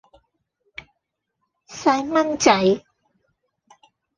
細蚊仔